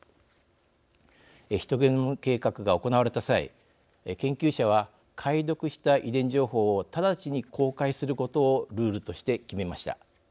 ヒトゲノム計画が行われた際研究者は解読した遺伝情報を直ちに公開することをルールとして決めました。